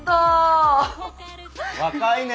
若いね。